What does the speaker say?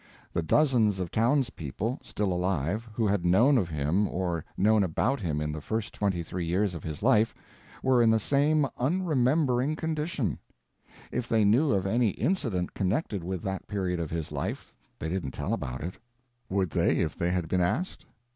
The dozens of townspeople, still alive, who had known of him or known about him in the first twenty three years of his life were in the same unremembering condition: if they knew of any incident connected with that period of his life they didn't tell about it. Would they if they had been asked?